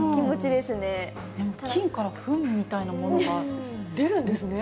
でも菌からふんみたいなものが出るんですね？